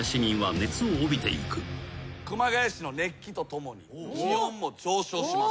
熊谷市の熱気とともに気温も上昇します。